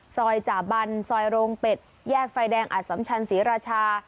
จ่าบันซอยโรงเป็ดแยกไฟแดงอัดสัมชันศรีราชา